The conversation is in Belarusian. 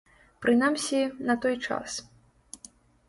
Прынамсі, на той час.